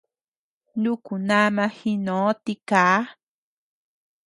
Nuku nama jinó tiká.